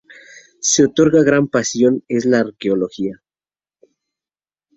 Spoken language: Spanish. Su otra gran pasión es la arqueología.